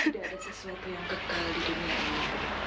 tidak ada sesuatu yang kekal di dunia ini